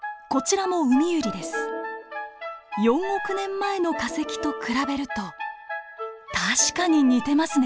４億年前の化石と比べると確かに似てますね。